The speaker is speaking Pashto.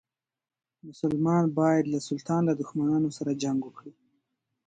مسلمان باید له سلطان له دښمنانو سره جنګ وکړي.